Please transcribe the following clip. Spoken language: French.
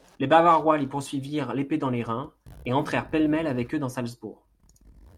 Les Bavarois les poursuivirent l'épée dans les reins, et entrèrent pêle-mêle avec eux dans Salzbourg.